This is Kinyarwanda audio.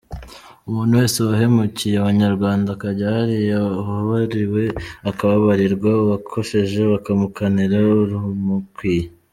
Umuntu wese wahemukiye abanyarwanda akajya hariya ubabariwe akababarirwa uwakosheje bakamukanira urumukwiye.